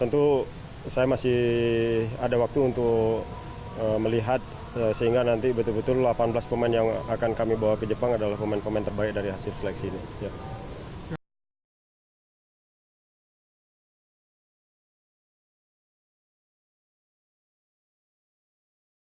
tim asuhan fakhri husseini berharap pemain baru yang dipanggil dapat segera mengatasi ketertinggalan dari segi fisik teknik dan mental agar dapat bersaing merebut tempat di skuad utama